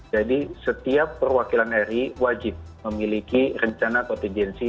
jadi setiap perwakilan ri wajib memiliki rencana konfidensi